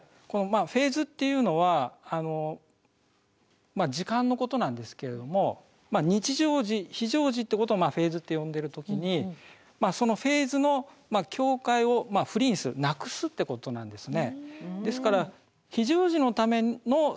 フェーズっていうのは時間のことなんですけれども日常時非常時っていうことをフェーズって呼んでる時にそのフェーズの境界をフリーにするなくすってことなんですね。